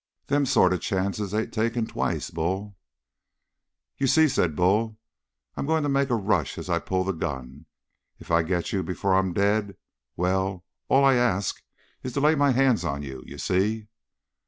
"Them sort of chances ain't taken twice, Bull!" "You see," said Bull, "I'm going to make a rush as I pull the gun, and if I get to you before I'm dead, well all I ask is to lay my hands on you, you see?"